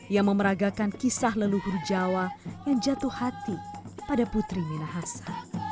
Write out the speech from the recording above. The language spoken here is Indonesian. yang memeragakan kisah leluhur jawa yang jatuh hati pada putri minahasa